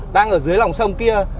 đang ở dưới lòng sông kia